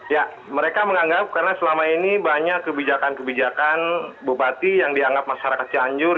ya mereka menganggap karena selama ini banyak kebijakan kebijakan bupati yang dianggap masyarakat cianjur